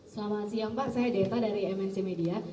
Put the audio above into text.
selamat siang pak saya deta dari mnc media